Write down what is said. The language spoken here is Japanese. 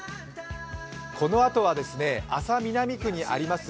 このあとは安佐南区にあります